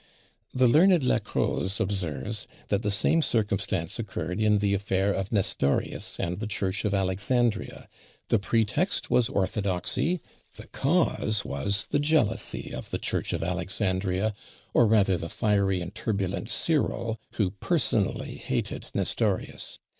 The learned La Croze observes, that the same circumstance occurred in the affair of Nestorius and the church of Alexandria; the pretext was orthodoxy, the cause was the jealousy of the church of Alexandria, or rather the fiery and turbulent Cyril, who personally hated Nestorius.